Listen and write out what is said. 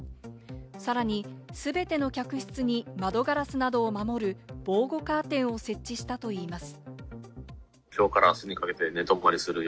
さらに全ての客室に窓ガラスなどを守る防護カーテンを設置したといいます。